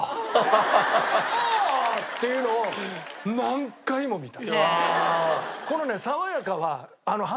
っていうのを何回も見た。